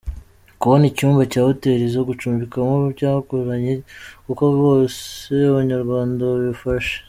Kubona icyumba cya hoteli zo gucumbikamo byagoranye, kuko byose Abanyarwanda babifashe.